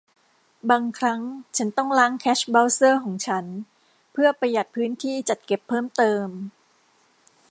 บางครั้งฉันต้องล้างแคชเบราว์เซอร์ของฉันเพื่อประหยัดพื้นที่จัดเก็บเพิ่มเติม